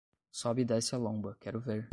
Sobe e desce a lomba, quero ver